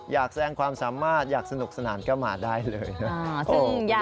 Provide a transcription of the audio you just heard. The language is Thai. อยากแสดงความสามารถอยากสนุกสนานก็มาได้เลยนะ